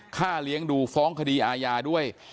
ค่าเลี้ยงดูฟ้องคดีอาญาด้วย